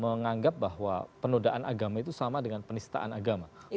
menganggap bahwa penodaan agama itu sama dengan penistaan agama